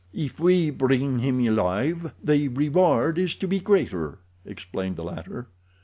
"If we bring him alive the reward is to be greater," explained the latter.